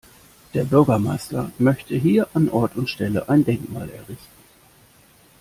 Der Bürgermeister möchte hier an Ort und Stelle ein Denkmal errichten.